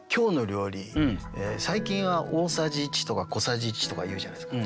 最近は大さじ１とか小さじ１とか言うじゃないですか。